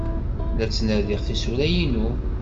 La ttnadiɣ tisura-inu.